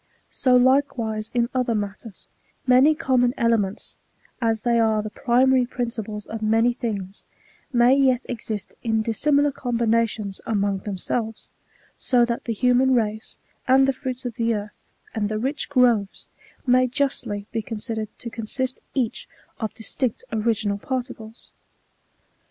So likewise ' in other matters, many common elements, as they are the pri mary principles of many things, may yet exist in dissimilar combinations among themselves ; so that the human race, and the fruits of the earth, and the rich groves, may justly be considered to consist each of distinct original particles.